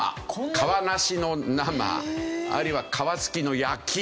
皮なしの生あるいは皮つきの焼き。